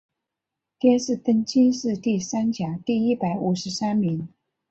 殿试登进士第三甲第一百五十三名。